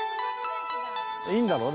いいんだろ？